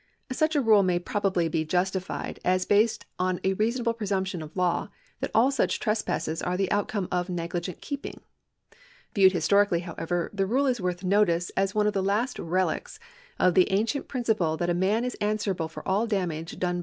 ^ Such a rule may probably be justified as based on a reasonable presumption of law that all such trespasses are the outcome of negligent keeping. Viewed historically, however, the rule is worth notice as one of the last relics of the ancient prin ciple that a man is answerable for all damage done by his 1 Filhurn v.